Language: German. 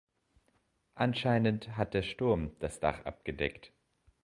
Anscheinend hat der Sturm das Dach abgedeckt.